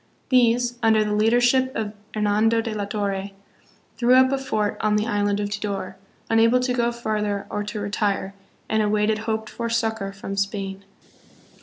These, under the leadership of Hernando de la Torre, threw up a fort on the island of Tidor, unable to go farther or to retire, and awaited hoped for succor from Spain.